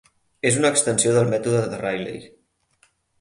És una extensió del mètode de Rayleigh.